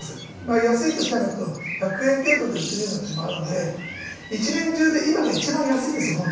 安い年なんかだと、１００円程度で売ってるような年もあるんで、一年中で、今が一番安いです、本来。